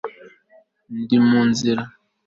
Ndi mu nzira